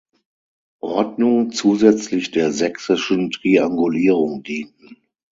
Ordnung zusätzlich der sächsischen Triangulierung dienten.